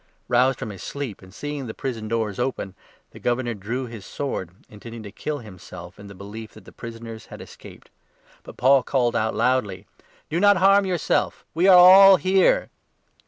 Roused from his sleep, and seeing the 27 prison doors open, the Governor drew his sword intending to kill himself, in the belief that the prisoners had escaped. But 28 Paul called out loudly :" Do not harm yourself; we are all here."